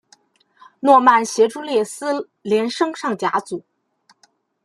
诺曼协助列斯联升上甲组。